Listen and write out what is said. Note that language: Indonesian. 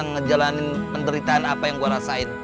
ngejalanin penderitaan apa yang gue rasain